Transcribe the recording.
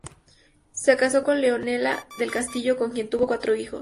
Se casó con Leonela del Castillo con quien tuvo cuatro hijos.